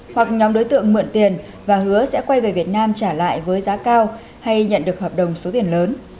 hoặc nhóm đối tượng mượn tiền và hứa sẽ quay về việt nam trả lại với giá cao hay nhận được hợp đồng số tiền lớn